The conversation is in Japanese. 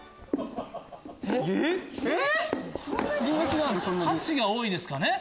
えっ⁉８が多いですかね。